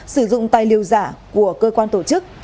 sử dụng tài liệu giả của cơ quan tổ chức